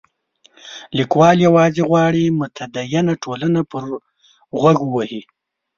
لیکوال یوازې غواړي متدینه ټولنه پر غوږ ووهي.